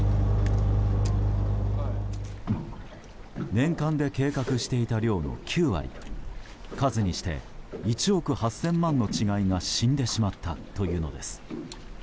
年間で計画していた量の９割数にして１億８０００万の稚貝が死んでしまったというのです。